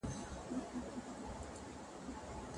د خطبې په مراسمو کي ناوړه رسمونه بايد ترسره نه سي.